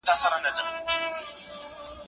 ما د سید قطب د ژوند په اړه هم معلومات ترلاسه کړل.